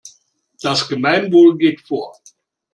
Das Gemeinwohl geht vor.